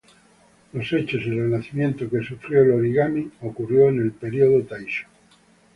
Los hechos y el renacimiento que sufrió el origami ocurrió en el Período Taisho.